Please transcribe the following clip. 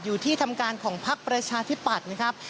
อยู่ที่ทำการของพักประชาธิปัตย์นะครับ